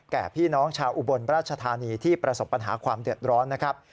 แก่พี่น้องชาวอุบลราชธานีที่ประสบปัญหาความเดือดร้อนนะครับ